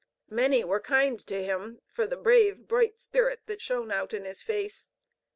Many were kind to him for the brave, bright spirit that shone out in his face.